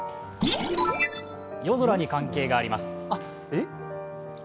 夜空に関係があります。